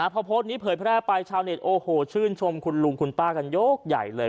พอโพสต์นี้เผยแพร่ไปชาวเน็ตโอ้โหชื่นชมคุณลุงคุณป้ากันยกใหญ่เลย